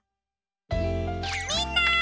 みんな！